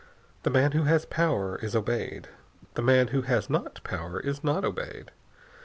The man who has power is obeyed. The man who has not power is not obeyed.